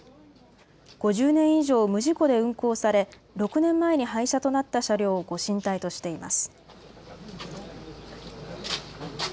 ５０年以上、無事故で運行され、６年前に廃車となった車両をご神体としています。